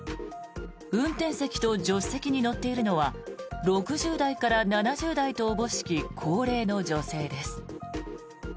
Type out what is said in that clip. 運転席と助手席に乗っているのは６０代から７０代と思しき高齢の女性です。